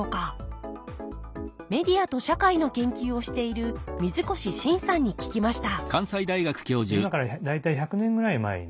メディアと社会の研究をしている水越伸さんに聞きました